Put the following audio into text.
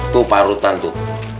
tuh parutan tuh